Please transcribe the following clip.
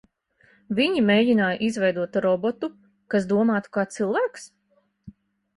Viņi mēģināja izveidot robotu, kas domātu kā cilvēks?